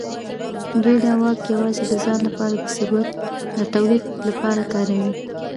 دوی دا واک یوازې د ځان لپاره د ثروت د تولید لپاره کاروي.